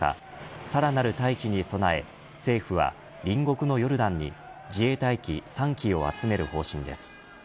さらなる退避に備え政府は隣国のヨルダンに自衛隊機３機を集める方針です。